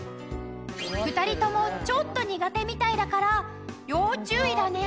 ２人ともちょっと苦手みたいだから要注意だね。